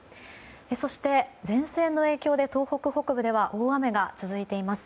そして前線の影響で東北北部では大雨が続いています。